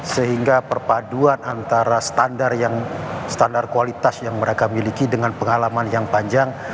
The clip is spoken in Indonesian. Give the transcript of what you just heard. sehingga perpaduan antara standar kualitas yang mereka miliki dengan pengalaman yang panjang